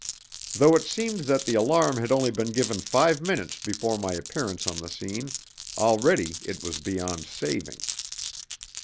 Though it seemed that the alarm had only been given five minutes before my appearance on the scene, already it was beyond saving.